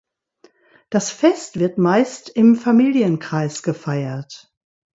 Das Fest wird meist im Familienkreis gefeiert.